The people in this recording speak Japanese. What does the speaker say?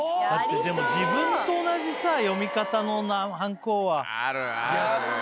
自分と同じ読み方のはんこは。